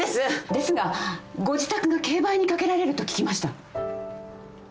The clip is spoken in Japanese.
ですがご自宅が競売にかけられると聞きました。